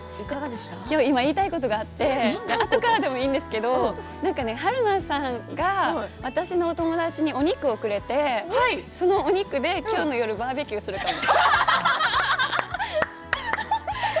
言いたいことがあってあとからでもいいんですけれども春菜さんが私のお友達にお肉をくれてそのお肉で今日の夜バーベキューをするかも。